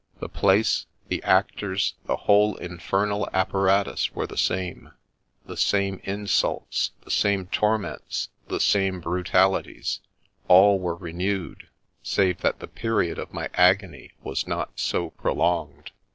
The place — the actors — the whole infernal apparatus were the same ;— the same insults, the same torments, the same brutalities — all were renewed, save that the period of my agony was not so prolonged.